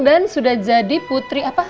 dan sudah jadi putri apa